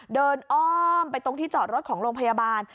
อ้อมไปตรงที่จอดรถของโรงพยาบาล